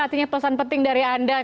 pertanyaan penting dari anda